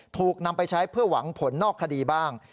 ถูกนำไปใช้เพื่อหวังผลนอกคดีบ้าง